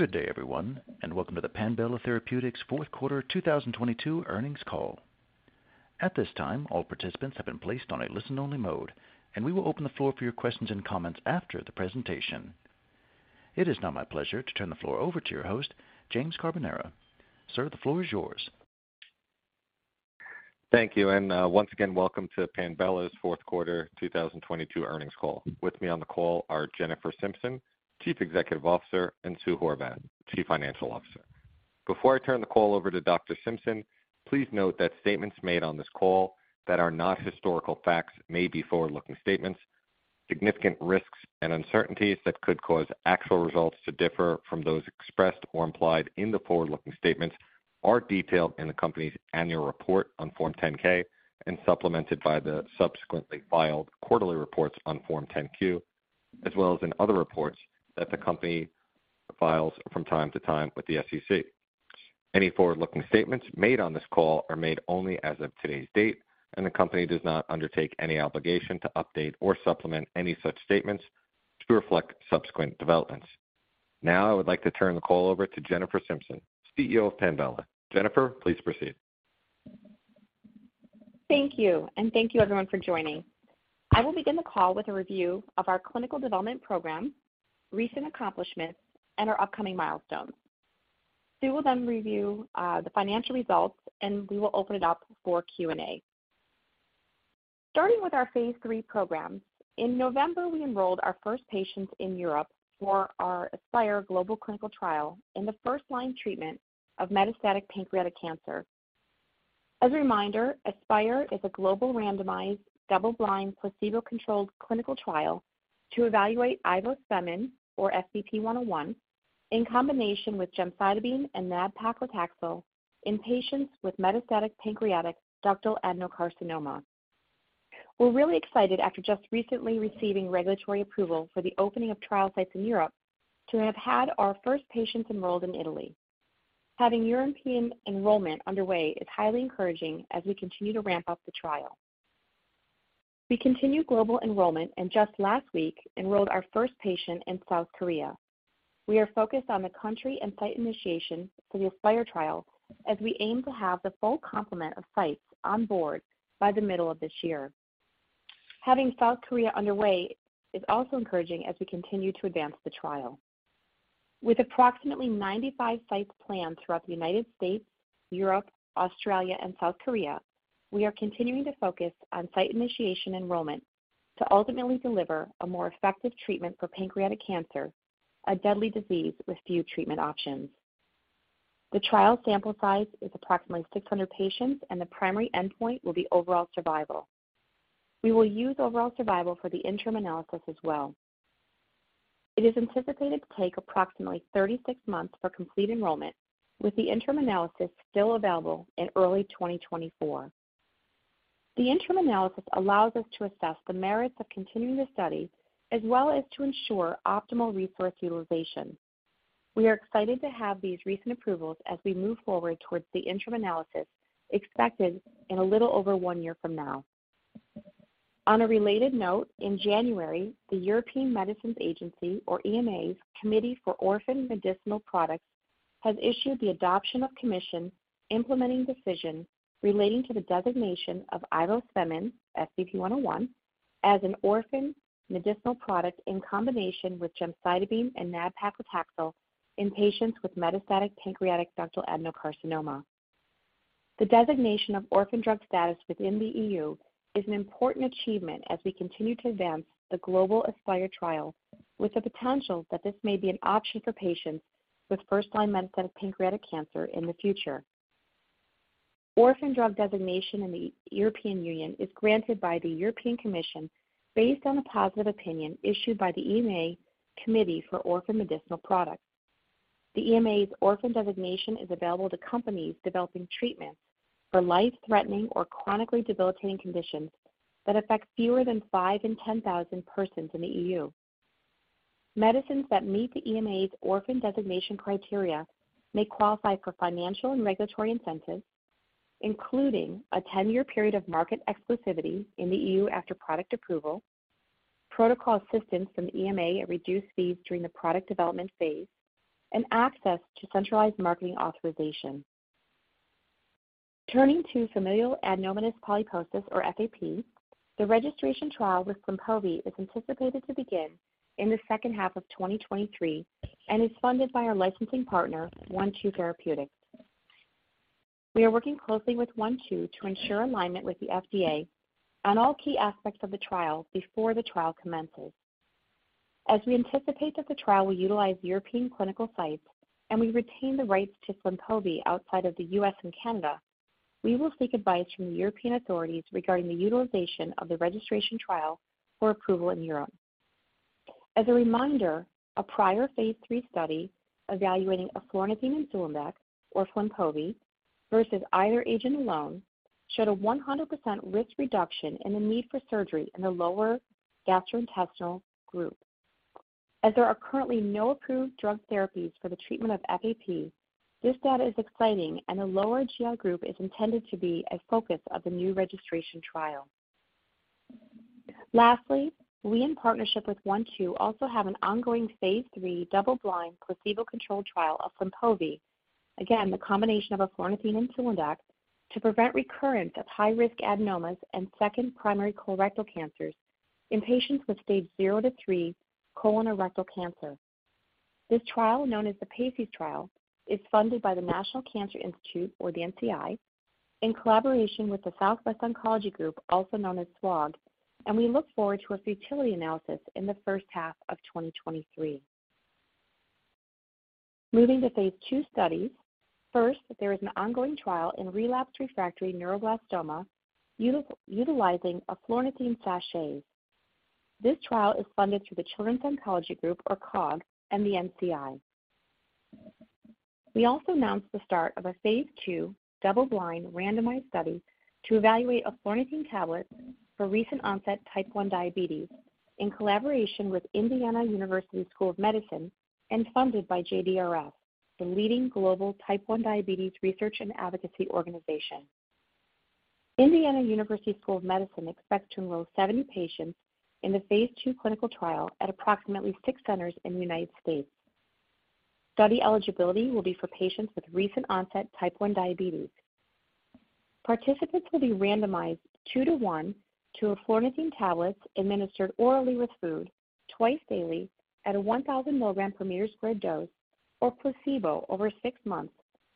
Good day, everyone, and welcome to the Panbela Therapeutics fourth quarter 2022 earnings call. At this time, all participants have been placed on a listen-only mode, and we will open the floor for your questions and comments after the presentation. It is now my pleasure to turn the floor over to your host, James Carbonara. Sir, the floor is yours. Thank you, and once again, welcome to Panbela's fourth quarter 2022 earnings call. With me on the call are Jennifer Simpson, Chief Executive Officer; and Sue Horvath, Chief Financial Officer. Before I turn the call over to Dr. Simpson, please note that statements made on this call that are not historical facts may be forward-looking statements. Significant risks and uncertainties that could cause actual results to differ from those expressed or implied in the forward-looking statements are detailed in the company's annual report on Form 10-K and supplemented by the subsequently filed quarterly reports on Form 10-Q, as well as in other reports that the company files from time to time with the SEC. Any forward-looking statements made on this call are made only as of today's date, the company does not undertake any obligation to update or supplement any such statements to reflect subsequent developments. Now I would like to turn the call over to Jennifer Simpson, CEO of Panbela. Jennifer, please proceed. Thank you. Thank you everyone for joining. I will begin the call with a review of our clinical development program, recent accomplishments, and our upcoming milestones. Sue will then review the financial results, and we will open it up for Q&A. Starting with our phase III programs, in November, we enrolled our first patients in Europe for our ASPIRE global clinical trial in the first-line treatment of metastatic pancreatic cancer. As a reminder, ASPIRE is a global randomized double-blind placebo-controlled clinical trial to evaluate ivospemin, or SBP-101, in combination with gemcitabine and nab-paclitaxel in patients with metastatic pancreatic ductal adenocarcinoma. We're really excited after just recently receiving regulatory approval for the opening of trial sites in Europe to have had our first patients enrolled in Italy. Having European enrollment underway is highly encouraging as we continue to ramp up the trial. We continue global enrollment and just last week enrolled our first patient in South Korea. We are focused on the country and site initiation for the ASPIRE trial as we aim to have the full complement of sites on board by the middle of this year. Having South Korea underway is also encouraging as we continue to advance the trial. With approximately 95 sites planned throughout the United States, Europe, Australia, and South Korea, we are continuing to focus on site initiation enrollment to ultimately deliver a more effective treatment for pancreatic cancer, a deadly disease with few treatment options. The trial sample size is approximately 600 patients, and the primary endpoint will be overall survival. We will use overall survival for the interim analysis as well. It is anticipated to take approximately 36 months for complete enrollment, with the interim analysis still available in early 2024. The interim analysis allows us to assess the merits of continuing the study, as well as to ensure optimal resource utilization. We are excited to have these recent approvals as we move forward towards the interim analysis expected in a little over one year from now. On a related note, in January, the European Medicines Agency, or EMA's, Committee for Orphan Medicinal Products has issued the Adoption of Commission Implementing Decision relating to the designation of ivospemin, SBP-101, as an orphan medicinal product in combination with gemcitabine and nab-paclitaxel in patients with metastatic pancreatic ductal adenocarcinoma. The designation of orphan drug status within the EU is an important achievement as we continue to advance the global ASPIRE trial, with the potential that this may be an option for patients with first-line metastatic pancreatic cancer in the future. Orphan drug designation in the European Union is granted by the European Commission based on a positive opinion issued by the EMA Committee for Orphan Medicinal Products. The EMA's orphan designation is available to companies developing treatments for life-threatening or chronically debilitating conditions that affect fewer than 5 in 10,000 persons in the EU. Medicines that meet the EMA's orphan designation criteria may qualify for financial and regulatory incentives, including a 10-year period of market exclusivity in the EU after product approval, protocol assistance from the EMA at reduced fees during the product development phase, and access to centralized marketing authorization. Turning to familial adenomatous polyposis, or FAP, the registration trial with Flynpovi is anticipated to begin in the second half of 2023 and is funded by our licensing partner, One-Two Therapeutics. We are working closely with One-Two to ensure alignment with the FDA on all key aspects of the trial before the trial commences. We anticipate that the trial will utilize European clinical sites and we retain the rights to Flynpovi outside of the U.S. and Canada, we will seek advice from the European authorities regarding the utilization of the registration trial for approval in Europe. A reminder, a prior phase III study evaluating eflornithine and sulindac or Flynpovi versus either agent alone showed a 100% risk reduction in the need for surgery in the lower gastrointestinal group. There are currently no approved drug therapies for the treatment of FAP, this data is exciting, and a lower GI group is intended to be a focus of the new registration trial. Lastly, we, in partnership with One-Two, also have an ongoing phase III double-blind placebo-controlled trial of Flynpovi. The combination of eflornithine and sulindac to prevent recurrence of high-risk adenomas and second primary colorectal cancers in patients with Stage 0 to 3 colon or rectal cancer. This trial, known as the PACES trial, is funded by the National Cancer Institute or the NCI, in collaboration with the Southwest Oncology Group, also known as SWOG, we look forward to a futility analysis in the first half of 2023. Moving to phase II studies. First, there is an ongoing trial in relapsed refractory neuroblastoma utilizing eflornithine sachets. This trial is funded through the Children's Oncology Group, or COG, and the NCI. We also announced the start of a phase II double-blind randomized study to evaluate eflornithine tablets for recent onset type 1 diabetes in collaboration with Indiana University School of Medicine and funded by JDRF, the leading global type 1 diabetes research and advocacy organization. Indiana University School of Medicine expects to enroll 70 patients in the phase II clinical trial at approximately six centers in the United States. Study eligibility will be for patients with recent onset type 1 diabetes. Participants will be randomized 2 to 1 to eflornithine tablets administered orally with food twice daily at a 1,000 mg/m2 dose or placebo over six months,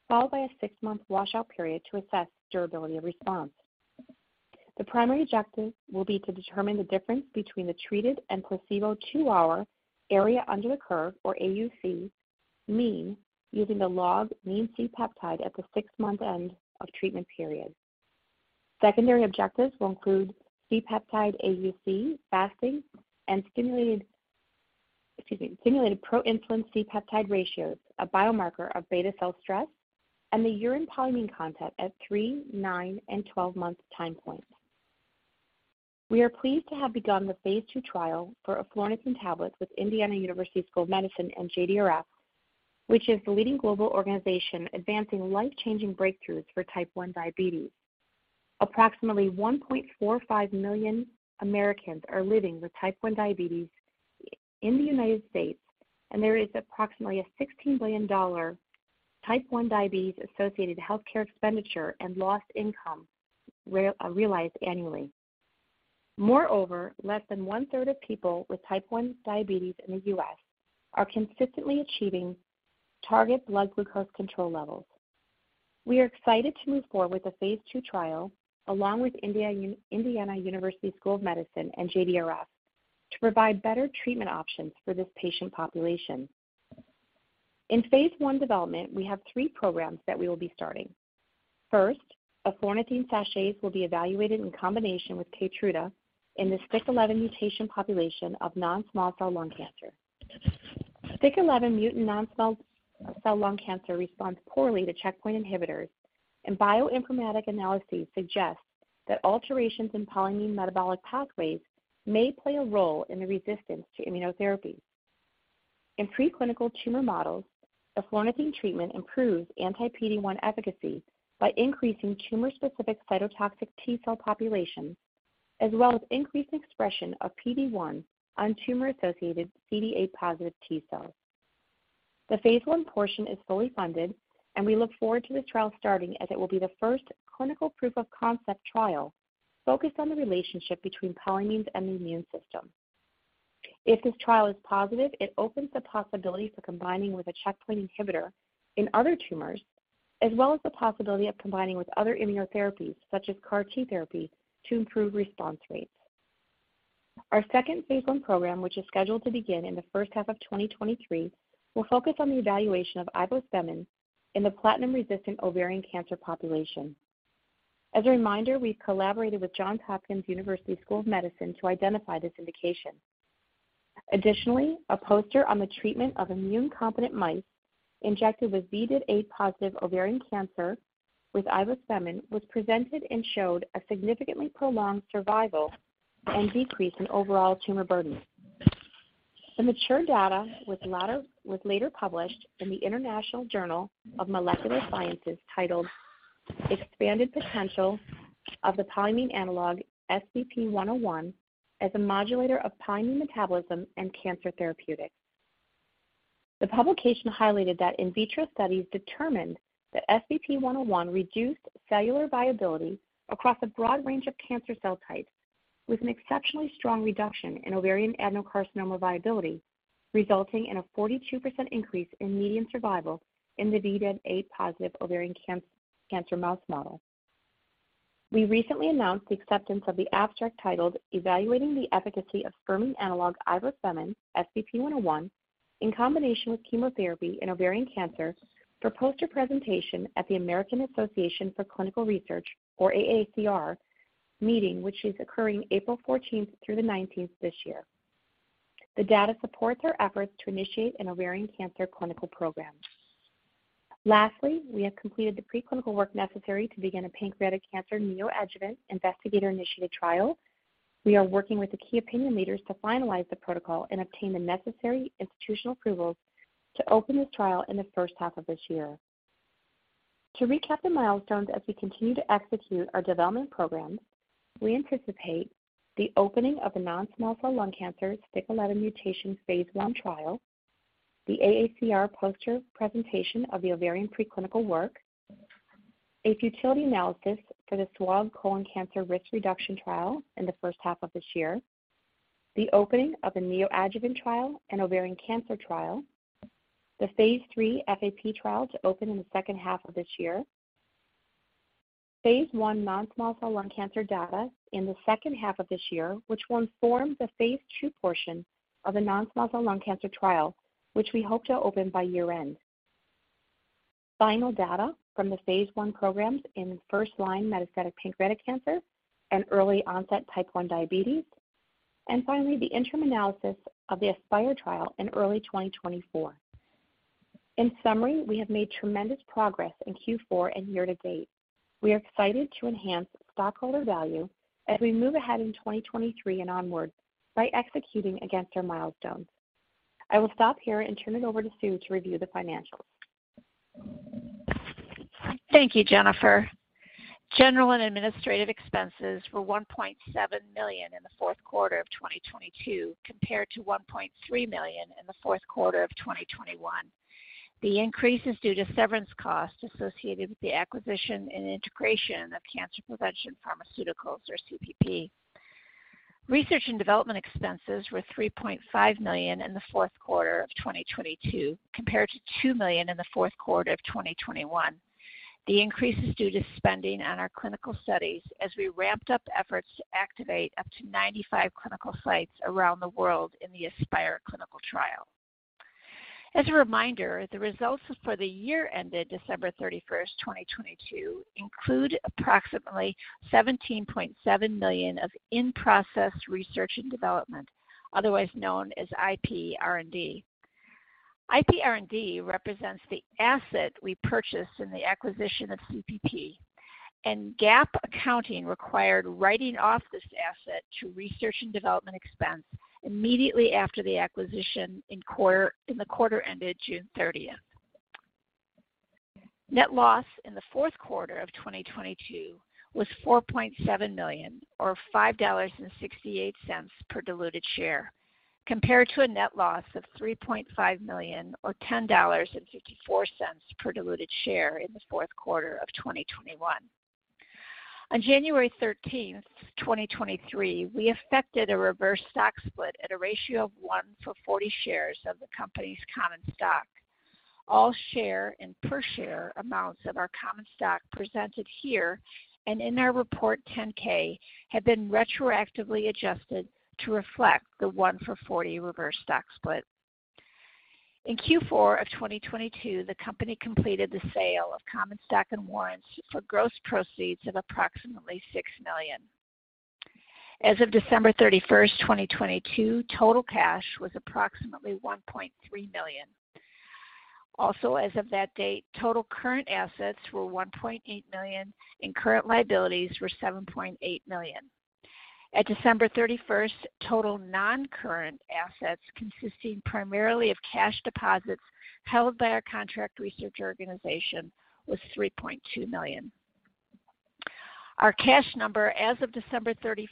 followed by a six-month washout period to assess durability of response. The primary objective will be to determine the difference between the treated and placebo two-hour area under the curve, or AUC, mean using the log mean C-peptide at the six-month end of treatment period. Secondary objectives will include C-peptide AUC fasting and stimulated, excuse me, stimulated proinsulin C-peptide ratios, a biomarker of beta cell stress, and the urine polyamine content at 3, 9, and 12-month time points. We are pleased to have begun the phase II trial for eflornithine tablets with Indiana University School of Medicine and JDRF, which is the leading global organization advancing life-changing breakthroughs for type 1 diabetes. Approximately 1.45 million Americans are living with type 1 diabetes in the United States, and there is approximately a $16 billion type 1 diabetes-associated healthcare expenditure and lost income realized annually. Moreover, less than 1/3 of people with type 1 diabetes in the U.S. are consistently achieving target blood glucose control levels. We are excited to move forward with the phase II trial, along with Indiana University School of Medicine and JDRF to provide better treatment options for this patient population. In phase I development, we have three programs that we will be starting. Eflornithine sachets will be evaluated in combination with KEYTRUDA in the STK11 mutation population of non-small cell lung cancer. STK11 mutant non-small cell lung cancer responds poorly to checkpoint inhibitors, and bioinformatic analysis suggests that alterations in polyamine metabolic pathways may play a role in the resistance to immunotherapy. In preclinical tumor models, Eflornithine treatment improves anti-PD-1 efficacy by increasing tumor-specific cytotoxic T cell populations as well as increased expression of PD-1 on tumor-associated CD8-positive T cells. The phase I portion is fully funded, and we look forward to this trial starting as it will be the first clinical proof of concept trial focused on the relationship between polyamines and the immune system. If this trial is positive, it opens the possibility for combining with a checkpoint inhibitor in other tumors as well as the possibility of combining with other immunotherapies such as CAR T therapy to improve response rates. Our second phase I program, which is scheduled to begin in the first half of 2023, will focus on the evaluation of ivospemin in the platinum-resistant ovarian cancer population. As a reminder, we've collaborated with Johns Hopkins University School of Medicine to identify this indication. Additionally, a poster on the treatment of immune-competent mice injected with VDID8+ ovarian cancer with ivospemin was presented and showed a significantly prolonged survival and decrease in overall tumor burden. The mature data was later published in the International Journal of Molecular Sciences titled Expanded Potential of the Polyamine Analog SBP-101 as a Modulator of Polyamine Metabolism and Cancer Therapeutics. The publication highlighted that in vitro studies determined that SBP-101 reduced cellular viability across a broad range of cancer cell types with an exceptionally strong reduction in ovarian adenocarcinoma viability, resulting in a 42% increase in median survival in the VDID8+ ovarian cancer mouse model. We recently announced the acceptance of the abstract titled Evaluating the Efficacy of Spermine Analogue Ivospemin, SBP-101, in Combination with Chemotherapy in Ovarian Cancer for poster presentation at the American Association for Cancer Research, or AACR, meeting, which is occurring April 14th through the 19th this year. The data supports our efforts to initiate an ovarian cancer clinical program. Lastly, we have completed the preclinical work necessary to begin a pancreatic cancer neoadjuvant investigator-initiated trial. We are working with the key opinion leaders to finalize the protocol and obtain the necessary institutional approvals to open this trial in the first half of this year. To recap the milestones as we continue to execute our development programs, we anticipate the opening of the non-small cell lung cancer STK11 mutation phase I trial, the AACR poster presentation of the ovarian preclinical work, a futility analysis for the SWOG colon cancer risk reduction trial in the first half of this year, the opening of a neoadjuvant trial, an ovarian cancer trial, the phase III FAP trial to open in the second half of this year, phase I non-small cell lung cancer data in the second half of this year, which will inform the phase II portion of the non-small cell lung cancer trial, which we hope to open by year-end. Final data from the phase I programs in first line metastatic pancreatic cancer and early onset type 1 diabetes. Finally, the interim analysis of the ASPIRE trial in early 2024. In summary, we have made tremendous progress in Q4 and year to date. We are excited to enhance stockholder value as we move ahead in 2023 and onward by executing against our milestones. I will stop here and turn it over to Sue to review the financials. Thank you, Jennifer. General and administrative expenses were $1.7 million in the fourth quarter of 2022 compared to $1.3 million in the fourth quarter of 2021. The increase is due to severance costs associated with the acquisition and integration of Cancer Prevention Pharmaceuticals, or CPP. Research and development expenses were $3.5 million in the fourth quarter of 2022 compared to $2 million in the fourth quarter of 2021. The increase is due to spending on our clinical studies as we ramped up efforts to activate up to 95 clinical sites around the world in the ASPIRE clinical trial. As a reminder, the results for the year ended December 31st, 2022 include approximately $17.7 million of in-process research and development, otherwise known as IP R&D. IP R&D represents the asset we purchased in the acquisition of CPP, and GAAP accounting required writing off this asset to research and development expense immediately after the acquisition in the quarter ended June 30th. Net loss in the fourth quarter of 2022 was $4.7 million or $5.68 per diluted share, compared to a net loss of $3.5 million or $10.54 per diluted share in the fourth quarter of 2021. On January 13, 2023, we affected a reverse stock split at a ratio of 1 for 40 shares of the company's common stock. All share and per share amounts of our common stock presented here and in our report 10-K have been retroactively adjusted to reflect the 1 for 40 reverse stock split. In Q4 of 2022, the company completed the sale of common stock and warrants for gross proceeds of approximately $6 million. As of December 31st, 2022, total cash was approximately $1.3 million. As of that date, total current assets were $1.8 million, and current liabilities were $7.8 million. At December 31st, total non-current assets consisting primarily of cash deposits held by our contract research organization was $3.2 million. Our cash number as of December 31st,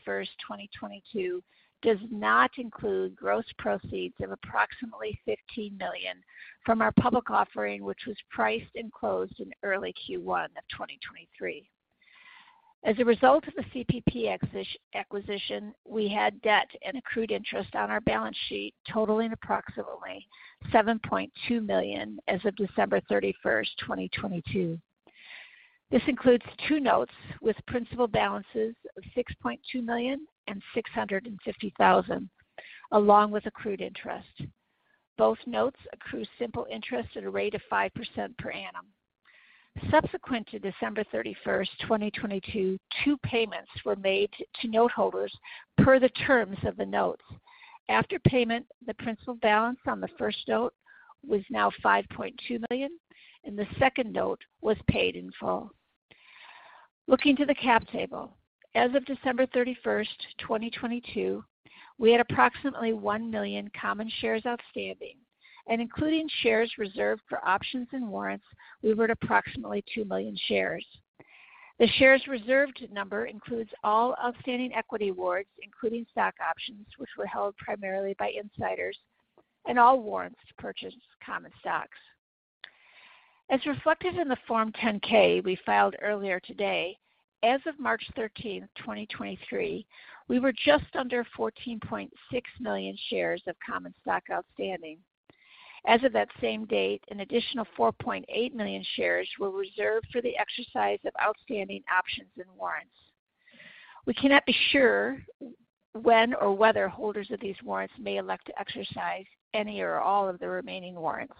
2022, does not include gross proceeds of approximately $15 million from our public offering, which was priced and closed in early Q1 of 2023. As a result of the CPP acquisition, we had debt and accrued interest on our balance sheet totaling approximately $7.2 million as of December 31st, 2022. This includes two notes with principal balances of $6.2 million and $650,000, along with accrued interest. Both notes accrue simple interest at a rate of 5% per annum. Subsequent to December 31st, 2022, two payments were made to note holders per the terms of the notes. After payment, the principal balance on the first note was now $5.2 million, and the second note was paid in full. Looking to the cap table, as of December 31st, 2022, we had approximately 1 million common shares outstanding, and including shares reserved for options and warrants, we were at approximately 2 million shares. The shares reserved number includes all outstanding equity awards, including stock options, which were held primarily by insiders, and all warrants to purchase common stocks. As reflected in the Form 10-K we filed earlier today, as of March 13, 2023, we were just under 14.6 million shares of common stock outstanding. As of that same date, an additional 4.8 million shares were reserved for the exercise of outstanding options and warrants. We cannot be sure when or whether holders of these warrants may elect to exercise any or all of the remaining warrants.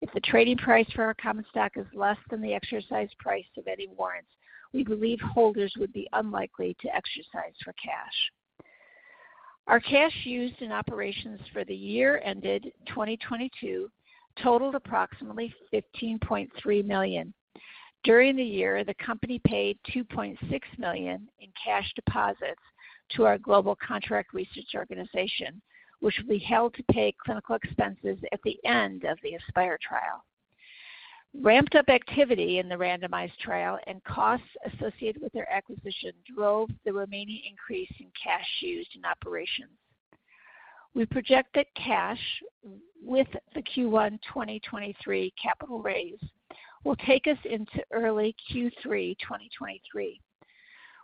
If the trading price for our common stock is less than the exercise price of any warrants, we believe holders would be unlikely to exercise for cash. Our cash used in operations for the year ended 2022 totaled approximately $15.3 million. During the year, the company paid $2.6 million in cash deposits to our global contract research organization, which will be held to pay clinical expenses at the end of the ASPIRE trial. Ramped up activity in the randomized trial and costs associated with their acquisition drove the remaining increase in cash used in operations. We project that cash with the Q1 2023 capital raise will take us into early Q3 2023.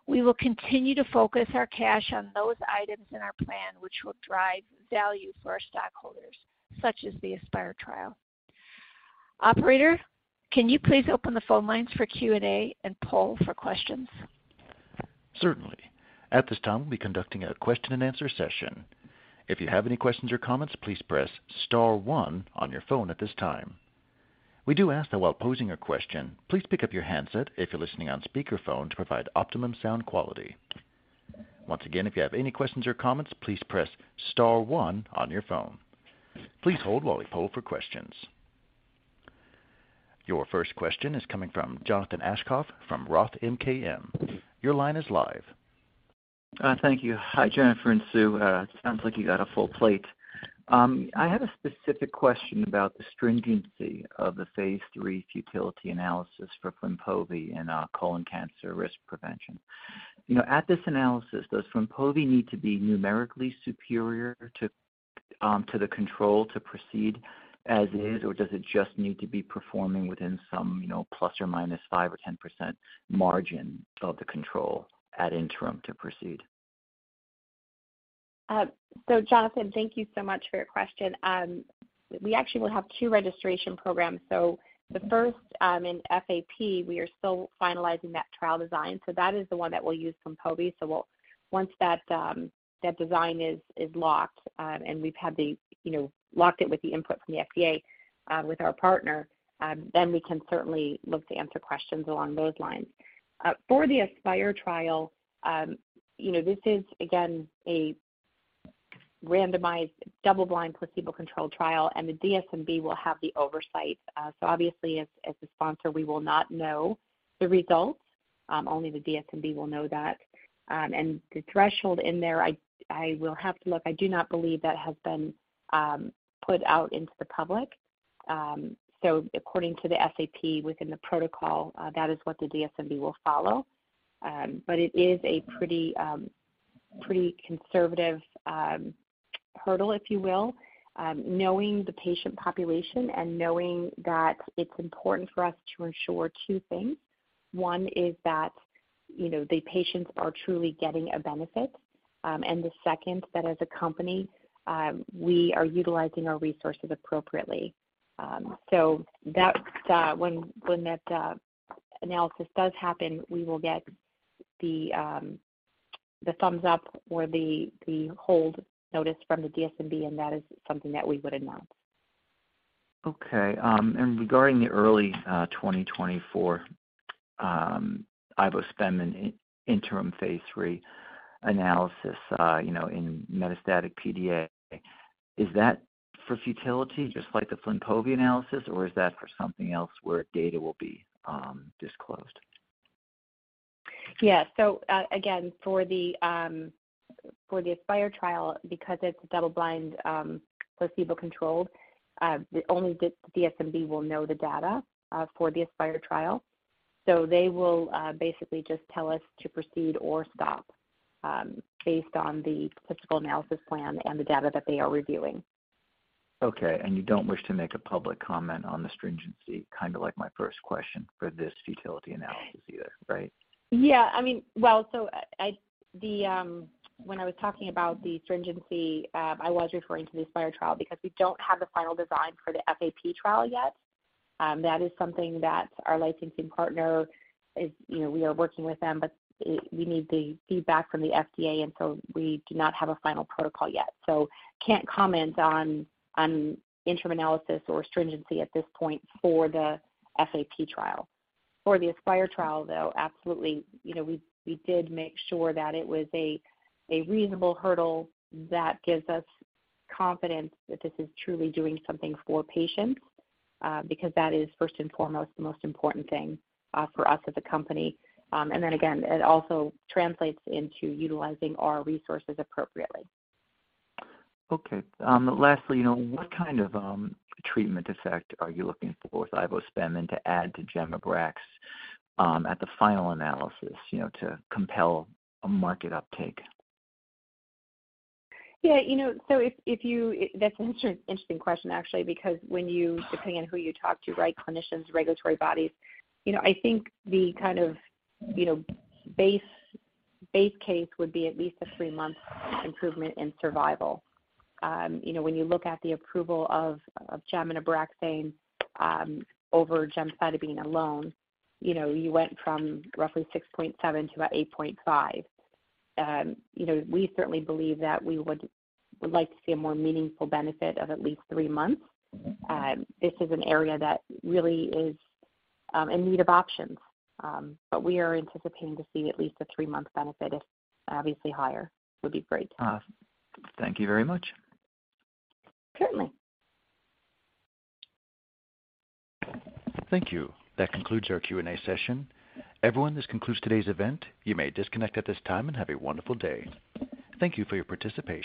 We will continue to focus our cash on those items in our plan which will drive value for our stockholders, such as the ASPIRE trial. Operator, can you please open the phone lines for Q&A and poll for questions? Certainly. At this time, we'll be conducting a question-and-answer session. If you have any questions or comments, please press star one on your phone at this time. We do ask that while posing your question, please pick up your handset if you're listening on speakerphone to provide optimum sound quality. Once again, if you have any questions or comments, please press star one on your phone. Please hold while we poll for questions. Your first question is coming from Jonathan Aschoff from Roth MKM. Your line is live. Thank you. Hi, Jennifer and Sue. Sounds like you got a full plate. I had a specific question about the stringency of the phase III futility analysis for Flynpovi in colon cancer risk prevention. You know, at this analysis, does Flynpovi need to be numerically superior to the control to proceed as is, or does it just need to be performing within some, you know, ±5% or 10% margin of the control at interim to proceed? Jonathan, thank you so much for your question. We actually will have two registration programs. The first, in FAP, we are still finalizing that trial design. That is the one that we'll use Flynpovi. Once that design is locked, and we've had the, you know, locked it with the input from the FDA, with our partner, we can certainly look to answer questions along those lines. For the ASPIRE trial, you know, this is again a randomized double blind placebo-controlled trial, the DSMB will have the oversight. Obviously as a sponsor, we will not know the results. Only the DSMB will know that. The threshold in there, I will have to look. I do not believe that has been put out into the public. According to the SAP within the protocol, that is what the DSMB will follow. It is a pretty conservative hurdle, if you will, knowing the patient population and knowing that it's important for us to ensure tow things. One is that, you know, the patients are truly getting a benefit. The second, that as a company, we are utilizing our resources appropriately. That's, when that analysis does happen, we will get the thumbs up or the hold notice from the DSMB, and that is something that we would announce. Okay. regarding the early 2024 ivospemin in-interim phase III analysis, you know, in metastatic PDA, is that for futility, just like the Flynpovi analysis, or is that for something else where data will be disclosed? Again, for the ASPIRE trial, because it's double blind, placebo-controlled, the only the DSMB will know the data for the ASPIRE trial. They will basically just tell us to proceed or stop based on the statistical analysis plan and the data that they are reviewing. Okay. You don't wish to make a public comment on the stringency, kind of like my first question for this futility analysis either, right? Yeah. I mean, well, when I was talking about the stringency, I was referring to the ASPIRE trial because we don't have the final design for the FAP trial yet. That is something that our licensing partner is, you know, we are working with them, we need the feedback from the FDA, we do not have a final protocol yet. Can't comment on interim analysis or stringency at this point for the FAP trial. For the ASPIRE trial, though, absolutely, you know, we did make sure that it was a reasonable hurdle that gives us confidence that this is truly doing something for patients, because that is first and foremost the most important thing for us as a company. Again, it also translates into utilizing our resources appropriately. Lastly, you know, what kind of treatment effect are you looking for with Ivospemin to add to nab-paclitaxel, at the final analysis, you know, to compel a market uptake? Yeah. You know, That's an interesting question actually because when you, depending on who you talk to, right, clinicians, regulatory bodies, you know, I think the kind of, you know, base case would be at least a three-month improvement in survival. You know, when you look at the approval of nab-paclitaxel over gemcitabine alone, you know, you went from roughly 6.7 to about 8.5. You know, we certainly believe that we would like to see a more meaningful benefit of at least three months. Mm-hmm. This is an area that really is in need of options. We are anticipating to see at least a three-month benefit. Obviously higher would be great. Thank you very much. Certainly. Thank you. That concludes our Q&A session. Everyone, this concludes today's event. You may disconnect at this time and have a wonderful day. Thank you for your participation.